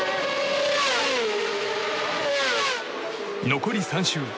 残り３周。